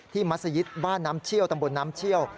มัศยิตบ้านน้ำเชี่ยวตำบลน้ำเชี่ยว